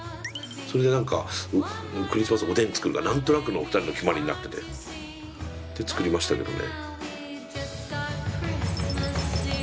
それで何かクリスマスはおでん作るのが何となくの２人の決まりになっててで作りましたけどね。